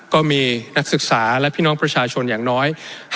ก็มีนักศึกษาและพี่น้องประชาชนอย่างน้อย